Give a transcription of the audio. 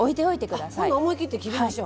ほな思い切って切りましょう。